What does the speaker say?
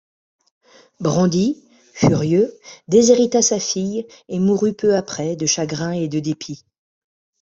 Brandi, furieux, déshérita sa fille et mourut peu après de chagrin et de dépit.